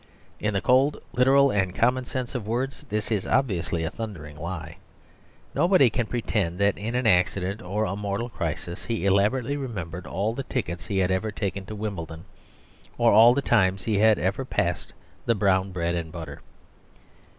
In the cold, literal, and common sense of words, this is obviously a thundering lie. Nobody can pretend that in an accident or a mortal crisis he elaborately remembered all the tickets he had ever taken to Wimbledon, or all the times that he had ever passed the brown bread and butter.